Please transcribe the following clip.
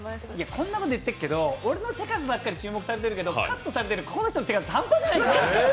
こんなこと言ってっけど俺の手数ばっかり注目されてるけどカットされてるこの人の手数、半端じゃないから。